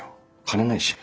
金ないし。